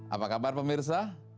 apa kabar pemirsa